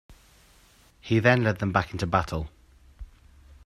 He then led them back into battle.